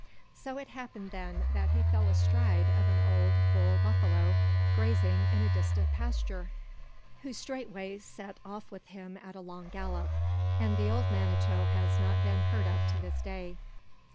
It so happened, then, that he fell astride of an old bull buffalo grazing in a distant pasture, who straightway set off with him at a long gallop; and the old Manito has not been heard of to this day.